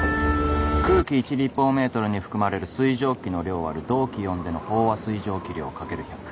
空気１立方メートルに含まれる水蒸気の量÷同気温での飽和水蒸気量×１００。